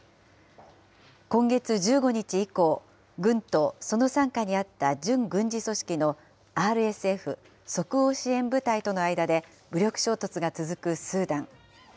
今月１５日以降、軍とその傘下にあった準軍事組織のＲＳＦ・即応支援部隊との間で武力衝突が続くスーダン。